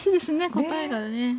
答えがね。